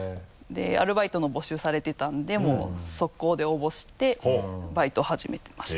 アルバイトの募集されていたんでもう速攻で応募してバイト始めてました。